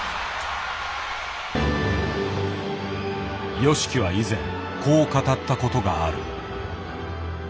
ＹＯＳＨＩＫＩは以前こう語ったことがある。